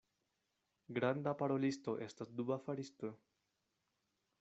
Granda parolisto estas duba faristo.